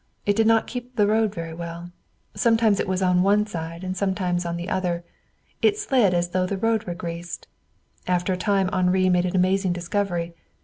It did not keep the road very well. Sometimes it was on one side and sometimes on the other. It slid as though the road were greased. And after a time Henri made an amazing discovery.